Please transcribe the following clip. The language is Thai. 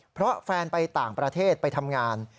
เพราะแฟนไปต่างประเทศไปทำงาน